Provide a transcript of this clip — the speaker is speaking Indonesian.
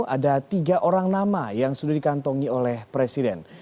ada tiga orang nama yang sudah dikantongi oleh presiden